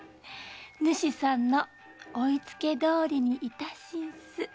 主さんのお言いつけどおりにいたしんす。